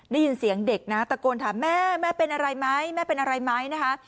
ได้ยินเสียงเด็กนะตะโกนถามแม่แม่เป็นอะไรไหมแม่เป็นอะไรไหมนะคะ